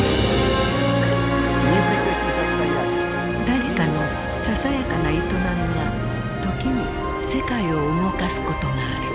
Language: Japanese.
誰かのささやかな営みが時に世界を動かすことがある。